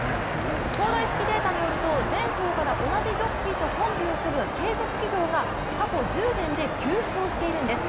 東大式データによると前走から同じジョッキーとコンビを組む継続騎乗が過去１０年で９勝しているんです。